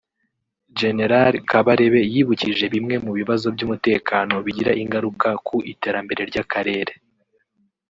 Gen Kabarebe yibukije bimwe mu bibazo by’umutekano bigira ingaruka ku iterambere ry’Akarere